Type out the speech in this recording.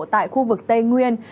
tại khu vực tây nguyên